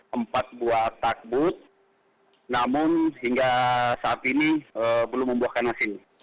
hanya ada empat buah takbut namun hingga saat ini belum membuahkan hasil